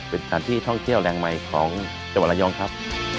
เป็นฐานที่ท่องเที่ยวแรงใหม่ของเจ้าวรายองค์ครับ